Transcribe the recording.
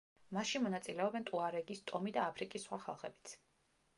მასში მონაწილეობენ ტუარეგის ტომი და აფრიკის სხვა ხალხებიც.